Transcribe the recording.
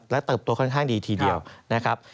และเติบโตค่อนข้างดีทีเดียวนะครับ